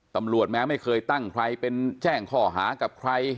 แม้ไม่เคยตั้งใครเป็นแจ้งข้อหากับใคร